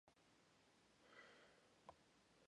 She published her first novel, Delicious!